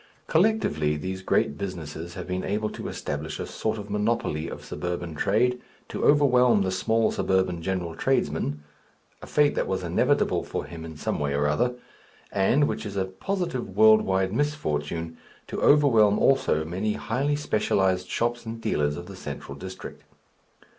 Collectively these great businesses have been able to establish a sort of monopoly of suburban trade, to overwhelm the small suburban general tradesman (a fate that was inevitable for him in some way or other), and which is a positive world wide misfortune to overwhelm also many highly specialized shops and dealers of the central district.